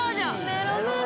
メロメロ